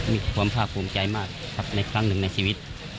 มีความภาคภูมิใจมากครับในครั้งหนึ่งในชีวิต